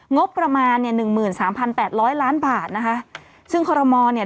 งบประมาณเนี่ยหนึ่งหมื่นสามพันแปดร้อยล้านบาทนะคะซึ่งคอรมอลเนี่ย